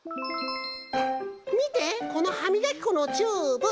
みてこのはみがきこのチューブ！